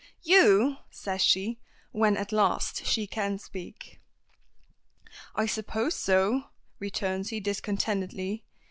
"You!" says she, when at last she can speak. "I suppose so," returns he discontentedly.